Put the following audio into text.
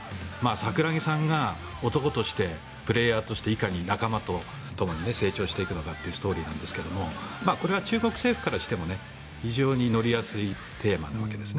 桜木さんが男としてプレーヤーとしていかに仲間とともに成長していくのかというストーリーなんですがこれは中国政府からしても非常に乗りやすいテーマなわけです。